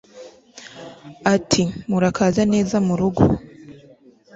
ati murakaza neza mu rugo